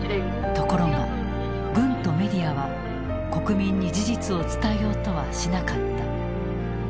ところが軍とメディアは国民に事実を伝えようとはしなかった。